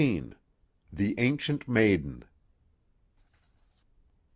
THE ANCIENT MAIDEN.